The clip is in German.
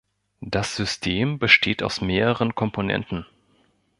Das System besteht aus mehreren Komponenten.